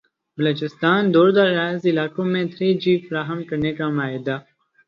بلوچستان دوردراز علاقوں میں تھری جی فراہم کرنے کا معاہدہ